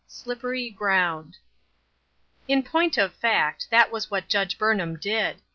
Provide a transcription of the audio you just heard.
SLIPPERY GROUND. IN point of fact, that was just what Judge Burn ham did.